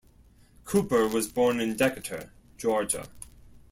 Cooper was born in Decatur, Georgia.